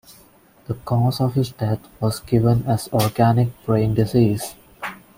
The cause of his death was given as "organic brain disease".